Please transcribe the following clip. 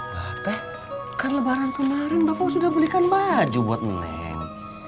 pak bapak kan lebaran kemarin sudah belikan baju buat neng